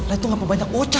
nah itu ngapain banyak ocak